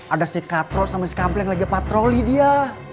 ada si katro sama si kampleng lagi patroli dia